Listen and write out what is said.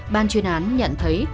ban chuyên án nhận thấy